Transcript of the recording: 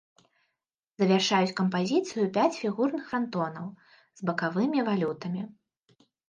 Завяршаюць кампазіцыю пяць фігурных франтонаў з бакавымі валютамі.